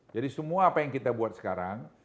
jadi semua apa yang kita buat sekarang